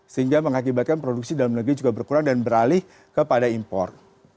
sehingga mengakibatkan produksi dalam negeri juga berkurang dan beralih kepada impor